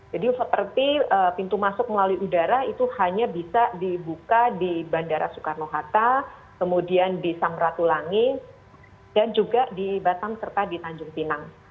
jadi seperti pintu masuk melalui udara itu hanya bisa dibuka di bandara soekarno hatta kemudian di samratulangi dan juga di batam serta di tanjung pinang